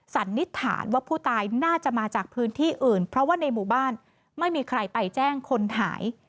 สันนิษฐานว่าผู้ตายน่าจะมาจากพื้นที่อื่นเพราะว่าในหมู่บ้านไม่มีใครไปแจ้งคนหาย